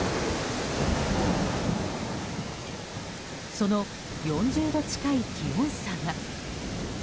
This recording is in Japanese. その４０度近い気温差が。